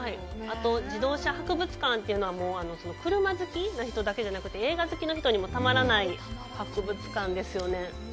あと、自動車博物館というのは、車好きな人だけじゃなくて映画好きの人にもたまらない博物館ですよね。